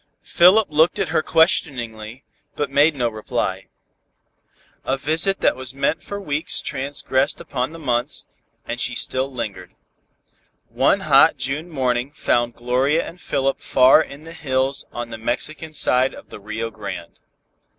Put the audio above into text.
Philip looked at her questioningly, but made no reply. A visit that was meant for weeks transgressed upon the months, and still she lingered. One hot June morning found Gloria and Philip far in the hills on the Mexican side of the Rio Grande.